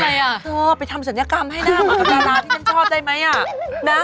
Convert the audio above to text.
เธอไปทำศัลยกรรมให้หน้าเหมือนกับดาราที่ฉันชอบได้ไหมอ่ะนะ